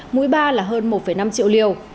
mũi ba là hơn một năm triệu liều